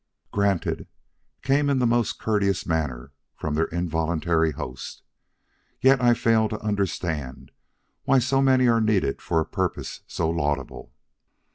"Granted," came in the most courteous manner from their involuntary host. "Yet I fail to understand why so many are needed for a purpose so laudable."